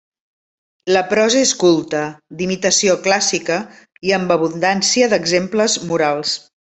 La prosa és culta, d'imitació clàssica i amb abundància d'exemples morals.